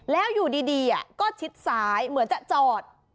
แล้วอยู่ดีก็ชิดซ้ายเหมือนจะจอด